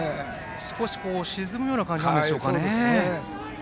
少し沈むような感じでしょうか。